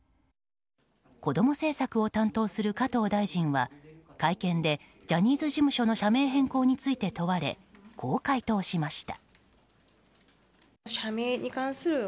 こども政策を担当する加藤大臣は会見でジャニーズ事務所の社名変更について問われこう回答しました。